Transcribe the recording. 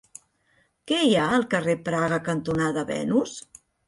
Què hi ha al carrer Praga cantonada Venus?